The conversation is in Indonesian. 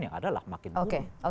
yang adalah makin dulu